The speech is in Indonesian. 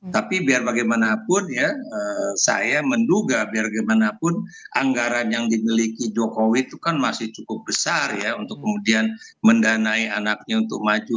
tapi biar bagaimanapun ya saya menduga biar bagaimanapun anggaran yang dimiliki jokowi itu kan masih cukup besar ya untuk kemudian mendanai anaknya untuk maju